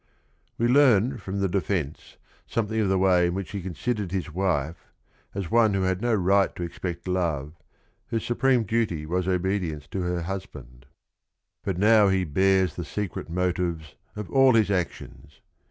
We learned from the defence something of the way in which he considered his wife, as one who had no right to expect love, whose supreme duty was obedience to her husband. But now he bares the secret motives of all his actions.